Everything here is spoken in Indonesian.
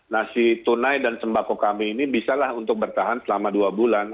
nah si tunai dan sembako kami ini bisalah untuk bertahan selama dua bulan